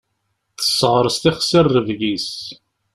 Tesseɣres tixsi rrebg-is.